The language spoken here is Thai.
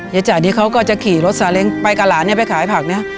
จ่ายนี่เขาก็จะขี่รถสาเล้งไปกับหลานเนี่ยไปขายผักนะ